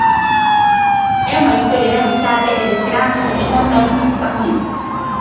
É unha historia de amizade e de esperanza que nos conta un dos protagonistas.